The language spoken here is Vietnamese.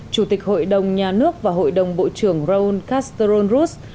chủ tịch hội đồng nhà nước và hội đồng bộ trưởng raoul castron rousse